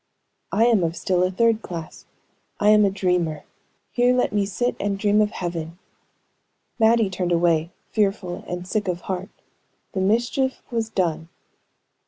"I am of still a third class I am a dreamer. Here let me sit and dream of heaven." Mattie turned away, fearful and sick of heart; the mischief was done.